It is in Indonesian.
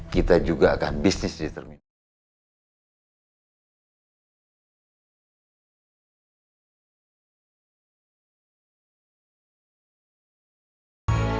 kita juga akan bisnis di terminal